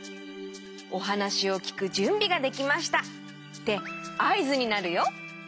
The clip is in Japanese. おはなしをきくじゅんびができましたってあいずになるよ。